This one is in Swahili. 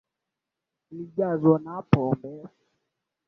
Ilijazwa na pombe